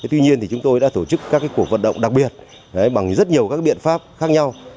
tuy nhiên chúng tôi đã tổ chức các cuộc vận động đặc biệt bằng rất nhiều các biện pháp khác nhau